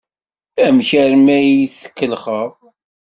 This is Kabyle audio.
Amek armi ay ak-tkellex?